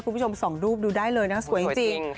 คุณผู้ชมส่องรูปดูได้เลยนะสวยจริง